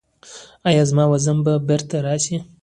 ایا زما وزن به بیرته راشي؟